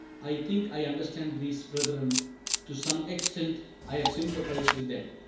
I think I understand these brethren; to some extent I have sympathized with them.